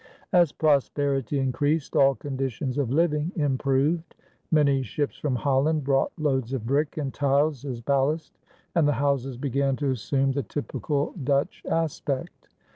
As prosperity increased, all conditions of living improved. Many ships from Holland brought loads of brick and tiles as ballast, and the houses began to assume the typical Dutch aspect.